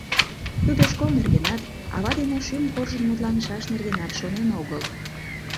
Тудо школ нергенат, ава дене шӱм коржын мутланышаш нергенат шонен огыл.